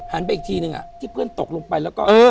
ไปอีกทีนึงที่เพื่อนตกลงไปแล้วก็